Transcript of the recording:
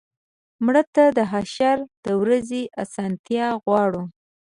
مړه ته د حشر د ورځې آسانتیا غواړو